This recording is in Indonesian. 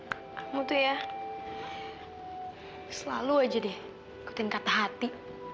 kamu tuh ya selalu aja deh ikutin kata hati